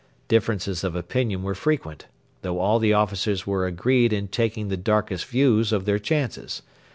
Differences of opinion were frequent, though all the officers were agreed in taking the darkest views of their chances.